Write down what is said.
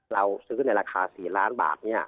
เราซื้อในราคา๔ล้านบาท